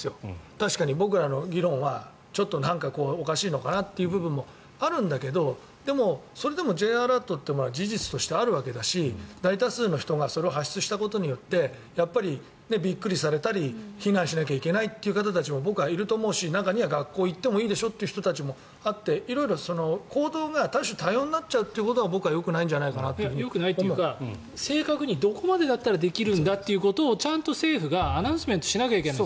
確かに僕らの議論はちょっとおかしいのかなっていう部分もあるんだけどでも、それでもＪアラートって事実としてあるわけだし大多数の人がそれを発出したことによってやっぱりびっくりされたり避難しなきゃいけないという方たちも僕はいると思うし中には学校に行ってもいいでしょという人もいて色々、行動が多種多様になっちゃうということがよくないというか正確にどこまでだったらできるんだということをちゃんと政府がアナウンスメントしなきゃいけない。